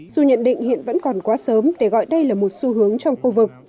dù nhận định hiện vẫn còn quá sớm để gọi đây là một xu hướng trong khu vực